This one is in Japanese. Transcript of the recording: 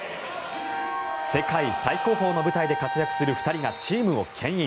世界最高峰の舞台で活躍する２人がチームをけん引。